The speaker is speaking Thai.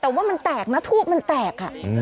แต่ว่ามันแตกนะทูบมันแตก